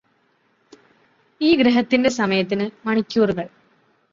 ഈ ഗ്രഹത്തിന്റെ സമയത്തിന് മണികൂറുകൾ